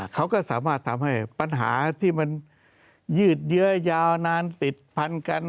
เขาก็สามารถทำให้ปัญหาที่มันยืดเยื้อยาวนานติดพันกัน